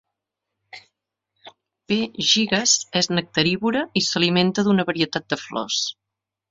"P. gigues" és nectarívora i s'alimenta d'una varietat de flors.